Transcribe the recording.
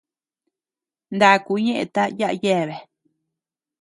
Ndaku ñeʼeta yaʼa yeabea.